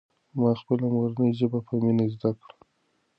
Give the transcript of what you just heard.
ما خپله مورنۍ ژبه په مینه زده کړه.